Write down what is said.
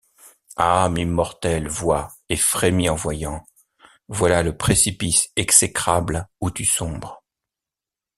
Âme immortelle, vois, et frémis en voyant: Voilà le précipice exécrable où tu sombres.